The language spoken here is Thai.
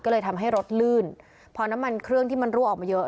ก็เลยทำให้รถลื่นพอน้ำมันเครื่องที่มันรั่วออกมาเยอะ